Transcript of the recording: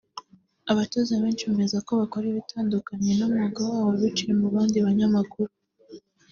abatoza benshi bemeza ko bakora ibitandukanye numwuga wabo biciye mu bandi banyamakuru